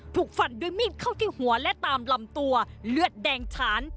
ถูกฟันด้วยมีดเข้าที่หัวและตามลำตัวเลือดแดงฉาน